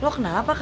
loh kenapa kau